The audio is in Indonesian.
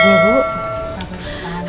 saya gak kuat